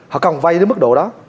họ còng vay đến mức độ đó